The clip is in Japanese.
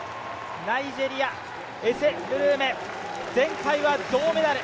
ナイジェリア、エセ・ブルーメ、前回は銅メダル。